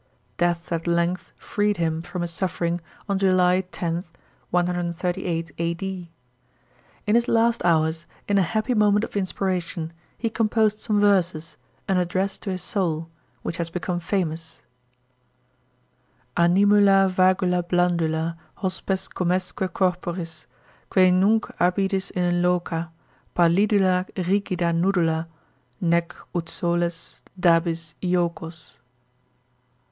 Death at length treed him from his suffering on July 10 (138 A.D.). In his last hours, in a happy moment of inspiration, he composed some verses, an address to his soul, which has become famous : Animula vagula blandula, Hospes comesque corporis, Qua? iiunc abibis in loca, Pallidula rigida nudula, Nee, ut soles, dabis ioct s